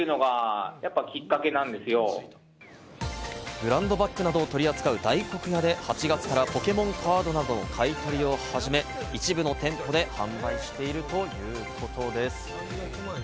ブランドバッグなどを取り扱う大黒屋で８月からポケモンカードなどの買い取りを始め、一部の店舗で販売しているということです。